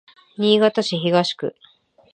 新潟市東区